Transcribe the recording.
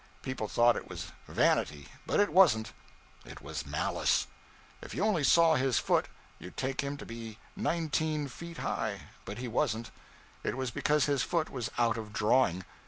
People thought it was vanity, but it wasn't, it was malice. If you only saw his foot, you'd take him to be nineteen feet high, but he wasn't; it was because his foot was out of drawing.